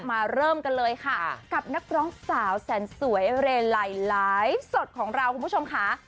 มาเริ่มกันเลยค่ะกับนักร้องสาวแสนสวยเรไลไลฟ์สดของเราคุณผู้ชมค่ะ